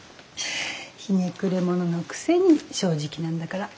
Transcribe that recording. ひねくれ者のくせに正直なんだから。